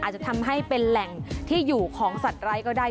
อาจจะทำให้เป็นแหล่งที่อยู่ของสัตว์ไร้ก็ได้